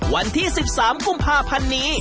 วันที่๑๓กุมภาพันธ์นี้